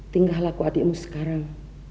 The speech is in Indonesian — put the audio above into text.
tinggal laku adikmu sekarang